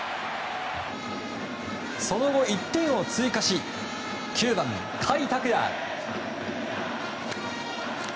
その後、１点を追加し９番、甲斐拓也。